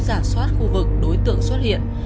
giả soát khu vực đối tượng xuất hiện